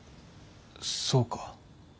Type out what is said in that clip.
そうか。